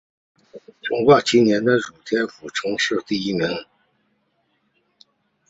成化七年辛卯科应天府乡试第一名。